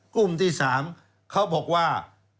กลุ่มที่๓เขาบอกว่า